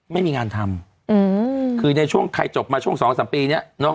ไม่มีงานทำในช่วงใครจบมาช่วงสองสามปีเนี่ย